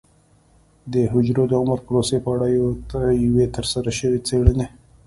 د حجرو د عمر پروسې په اړه یوې ترسره شوې څېړنې